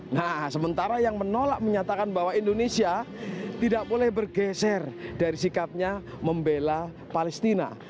nah sementara yang menolak menyatakan bahwa indonesia tidak boleh bergeser dari sikapnya membela palestina